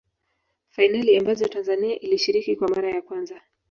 fainali ambazo tanzania ilishiriki kwa mara ya kwanza